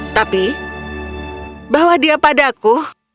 tapi bahwa dia padaku